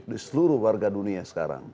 di seluruh warga dunia sekarang